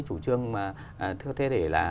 chủ trương mà thế để là